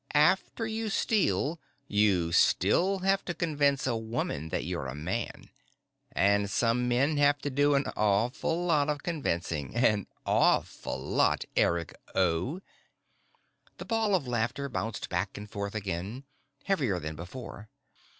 "After you steal, you still have to convince a woman that you're a man. And some men have to do an awful lot of convincing. An awful lot, Eric O." The ball of laughter bounced back and forth again, heavier than before.